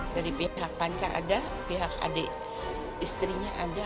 dari pihak panca ada pihak adik istrinya ada